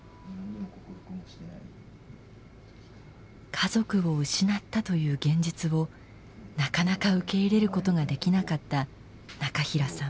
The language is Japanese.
家族を失ったという現実をなかなか受け入れることができなかった中平さん。